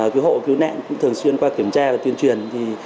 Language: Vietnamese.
cứu hộ cứu nạn cũng thường xuyên qua kiểm tra và tuyên truyền